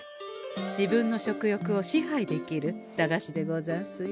自分の食欲を支配できる駄菓子でござんすよ。